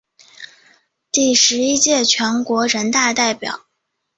第十一届全国人大代表。